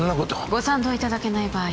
ご賛同いただけない場合